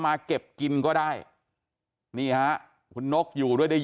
สวัสดีคุณผู้ชายสวัสดีคุณผู้ชาย